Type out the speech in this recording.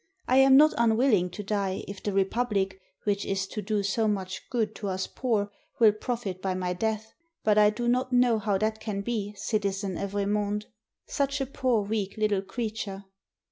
I am not unwilling to die, if the Republic, which is to do so much good to us poor, will profit by my death; but I do not know how that can be, Citizen Evremonde. Such a poor weak little creature!"